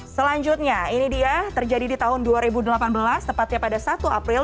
selanjutnya ini dia terjadi di tahun dua ribu delapan belas tepatnya pada satu april dua ribu delapan belas